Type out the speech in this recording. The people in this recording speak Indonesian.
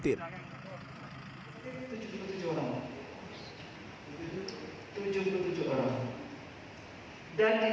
dan dinominasi oleh balik dan balik